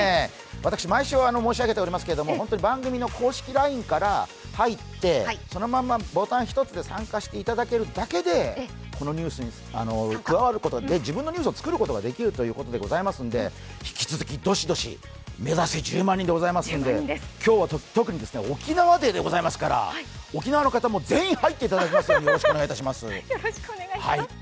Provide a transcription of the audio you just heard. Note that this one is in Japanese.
私毎週申し上げておりますけれども、番組の公式ＬＩＮＥから入ってそのままボタン１つで参加していただけるだけでこのニュースに加わることができる、自分のニュースを作ることができるので引き続きどしどし目指せ１０万人でございますので今日は特に沖縄デーでございますから沖縄の方、全員入っていただきますようによろしくお願いします。